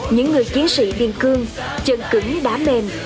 những người chiến sĩ biên cương chân cứng đã mềm